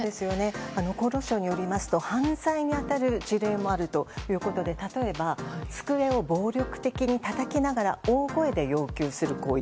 厚労省によりますと犯罪に当たる事例もあるということで例えば、机を暴力的にたたきながら大声で要求する行為。